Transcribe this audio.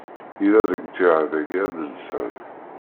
Yella-d deg ttiɛad-agi adelsan.